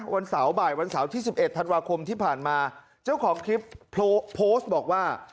วันเสาร์บ่ายวันเสาร์ที่๑๑ธันวาคมที่ผ่านมาเจ้าของคลิปโพสต์บอกว่า